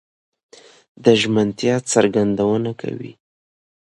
د ژمنتيا څرګندونه کوي؛